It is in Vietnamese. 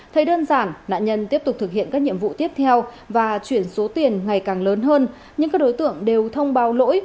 thấy đơn giản nạn nhân tiếp tục thực hiện các nhiệm vụ tiếp theo và chuyển số tiền ngày càng lớn hơn nhưng các đối tượng đều thông báo lỗi